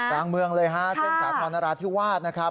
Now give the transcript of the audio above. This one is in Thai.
กลางเมืองเลยฮะเส้นสาธรณราธิวาสนะครับ